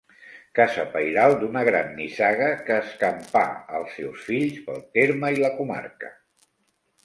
Casa pairal d'una gran nissaga que escampà els seus fills pel terme i la comarca.